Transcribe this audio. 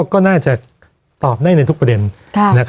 ก็น่าจะตอบได้ในทุกประเด็น